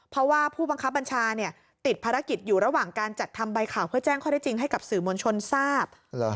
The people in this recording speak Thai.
เพราะว่าผู้บังคับบัญชาติดภารกิจอยู่ระหว่างการจัดทำใบข่าวเพื่อแจ้งข้อได้จริงให้กับสื่อมวลชนทราบ